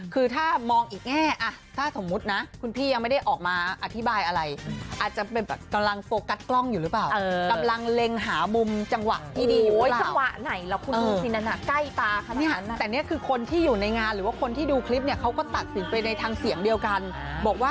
คือถ้ามองอีกแง่ถ้าสมมุตินะคุณพี่ยังไม่ได้ออกมาอธิบายอะไรอาจจะเป็นแบบกำลังโปรกัสกล้องอยู่หรือเปล่ากำลังเล็งหามุมจังหวะดีอยู่หรือเปล่า